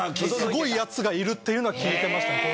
すごいヤツがいるっていうのは聞いてました。